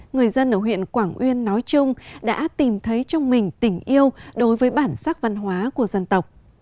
người dân ở huyện quảng uyên nói chung đã tìm thấy trong mình tình yêu đối với bản sắc văn hóa của dân tộc